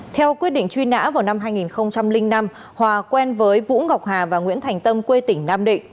theo quyết định truy nã vào năm hai nghìn năm hòa quen với vũ ngọc hà và nguyễn thành tâm quê tỉnh nam định